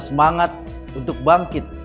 semangat untuk bangkit